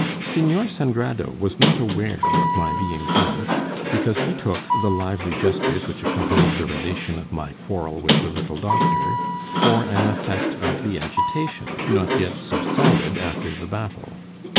Señor Sangrado was not aware of my being drunk, because he took the lively gestures which accompanied the relation of my quarrel with the little doctor for an effect of the agitation not yet subsided after the battle.